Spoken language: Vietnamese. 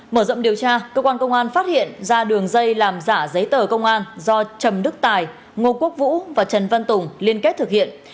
mở rộng điều tra cơ quan công an phát hiện ra đường dây làm giả giấy tờ công an do trầm đức tài ngô quốc vũ và trần văn tùng liên kết thực hiện